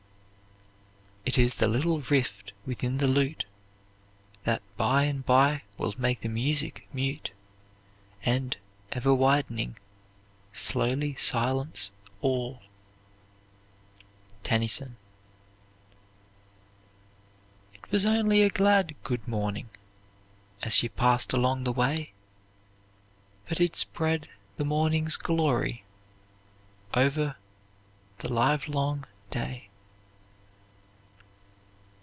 It is the little rift within the lute That by and by will make the music mute, And, ever widening, slowly silence all. TENNYSON. "It was only a glad 'good morning,' As she passed along the way, But it spread the morning's glory Over the livelong day."